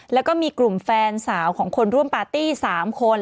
แล้วก็มีกลุ่มแฟนสาวของคนร่วมปาร์ตี้๓คน